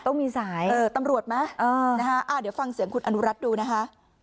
ต้องมีสายตำรวจไหมเดี๋ยวฟังเสียงคุณอนุรัติดูนะคะ